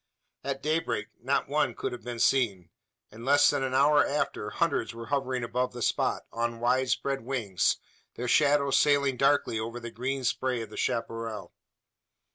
At daybreak not one could have been seen. In less than an hour after, hundreds were hovering above the spot, on widespread wings, their shadows sailing darkly over the green spray of the chapparal.